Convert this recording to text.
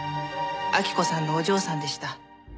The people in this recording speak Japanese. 晃子さんのお嬢さんでした。